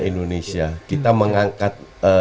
indonesia kita mengangkat